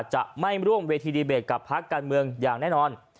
จะไม่ร่วมเวทีดีเบตกับพักการเมืองอย่างแน่นอน